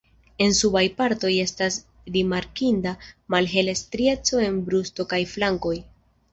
En subaj partoj estas rimarkinda malhela strieco en brusto kaj flankoj.